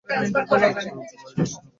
তুই ওকে লাই দিস না আবার!